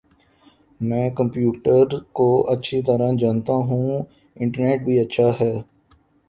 میں کمپیوٹرکو اچھی طرح جانتا ہوں انٹرنیٹ بھی اچھا ہے